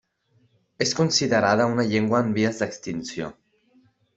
És considerada una llengua en vies d'extinció.